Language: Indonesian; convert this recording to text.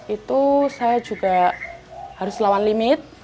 itu saya juga harus lawan limit